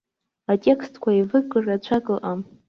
Атекстқәа еивырго рацәак ыҟам.